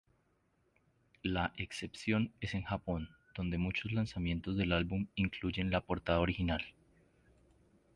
La excepción es en Japón, donde muchos lanzamientos del álbum incluyen la portada original.